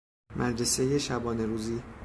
مدرسۀ شبانه روزی